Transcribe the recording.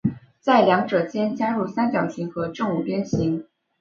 在两者间加入三角形和正五边形。